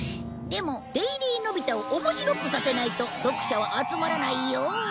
でも『デイリーのび太』を面白くさせないと読者は集まらないよ。